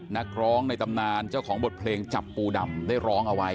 นักร้องในตำนานเจ้าของบทเพลงจับปูดำได้ร้องเอาไว้